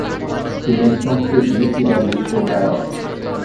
ছিলেন সংস্কৃতি, ক্রীড়াবিদ ও গায়ক।